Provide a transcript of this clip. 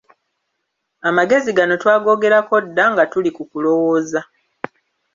Amagezi gano twagoogerako dda nga tuli ku kulowooza.